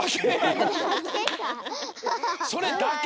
それだけ？